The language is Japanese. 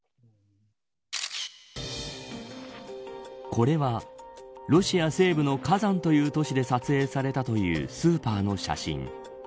これは、ロシア西部のカザンという都市で撮影されたというスーパーの写真。